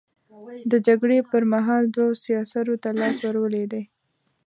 د جګړې پر مهال دوو سياسرو ته لاس ور لوېدلی.